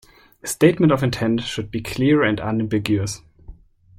A statement of intent should be clear and unambiguous.